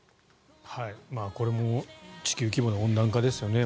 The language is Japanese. これも地球規模の温暖化ですよね。